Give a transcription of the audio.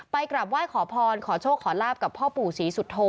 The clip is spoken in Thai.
กลับไหว้ขอพรขอโชคขอลาบกับพ่อปู่ศรีสุโธ